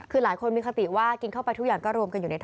คือหลายคนมีคติว่ากินเข้าไปทุกอย่างก็รวมกันอยู่ในท่อ